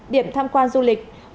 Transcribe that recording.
điểm tham quan du lịch